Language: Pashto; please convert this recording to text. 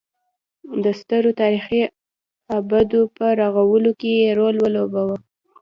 د سترو تاریخي ابدو په رغولو کې یې رول ولوباوه.